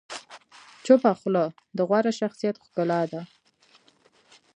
چپه خوله، د غوره شخصیت ښکلا ده.